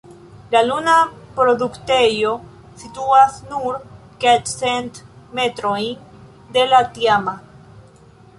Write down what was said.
La nuna produktejo situas nur kelkcent metrojn de la tiama.